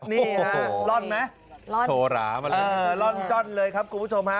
นี่ฮะล่อนไหมล่อนจ้อนเลยครับคุณผู้ชมฮะ